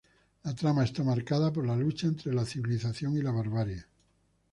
La trama está marcada por la lucha entre la civilización y la barbarie.